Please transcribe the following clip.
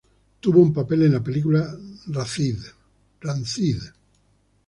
Tuvo un papel en la película "Rancid".